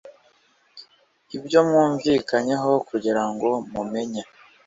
ibyo mwumvikanyeho kugira ngo mumenye